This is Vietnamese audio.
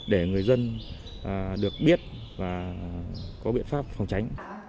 để người dân được biết và có biện pháp phòng tránh